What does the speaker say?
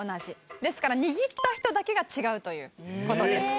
ですから握った人だけが違うという事です。